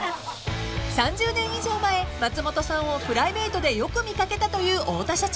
［３０年以上前松本さんをプライベートでよく見掛けたという太田社長］